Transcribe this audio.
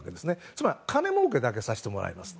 つまり金もうけだけさせてもらいますと。